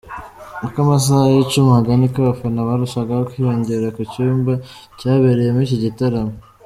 Uko amasaha yicumaga niko abafana barushagaho kwiyongera ku cyumba cyabereyemo iki gitaramo.